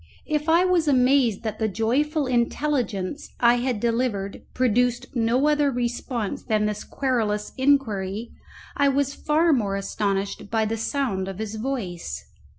If I was amazed that the joyful intelligence I had delivered produced no other response than this querulous inquiry, I was far more astonished by the sound of his voice.